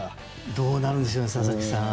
どうなるんでしょうね佐々木さん。